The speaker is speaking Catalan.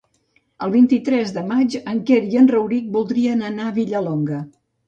El vint-i-tres de maig en Quer i en Rauric voldrien anar a Vilallonga.